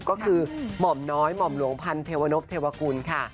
ก็คือหม่อมน้อยหม่อมหลวงพันเทวนพเทวกุลค่ะ